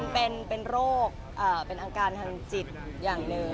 เป้อเป็นโรคเป็นอาการทางจิตอย่างอื่น